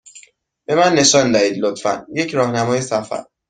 به من نشان دهید، لطفا، یک راهنمای سفر.